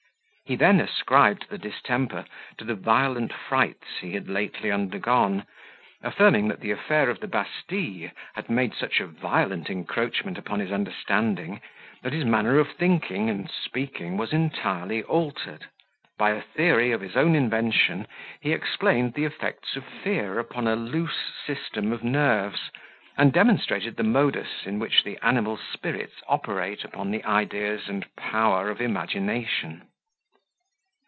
He then ascribed the distemper to the violent frights he had lately undergone, affirming that the affair of the Bastille had made such a violent encroachment upon his understanding, that his manner of thinking and speaking was entirely altered. By a theory of his own invention, he explained the effects of fear upon a loose system of nerves, and demonstrated the modus in which the animal spirits operate upon the ideas and power of imagination.